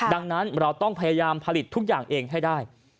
ดังนั้นเราต้องพยายามผลิตทุกอย่างเองให้ได้